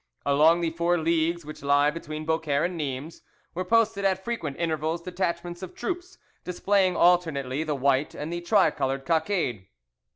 Along the four leagues which lie between Beaucaire and Nimes were posted at frequent intervals detachments of troops displaying alternately the white and the tricoloured cockade.